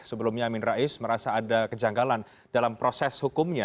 sebelumnya amin rais merasa ada kejanggalan dalam proses hukumnya